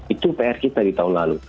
itu pr kita di tahun lalu